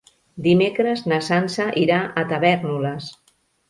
Dimecres na Sança irà a Tavèrnoles.